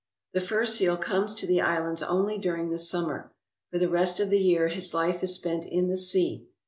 The fur seal comes to the islands only during the summer. For the rest of the year his life is spent in the sea.